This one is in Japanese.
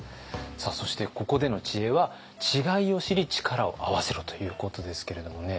さあそしてここでの知恵は「違いを知り力を合わせろ」ということですけれどもね。